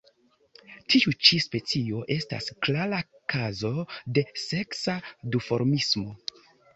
Tiu ĉi specio estas klara kazo de seksa duformismo.